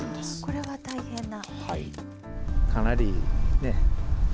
これは大変な。